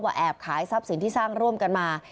แอบขายทรัพย์สินที่สร้างร่วมกันมา